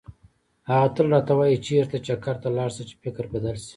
هغه تل راته وایي چېرته چکر ته لاړ شه چې فکر بدل شي.